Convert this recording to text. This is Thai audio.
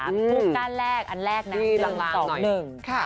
พูดก้านแรกอันแรกนะ๑๒๑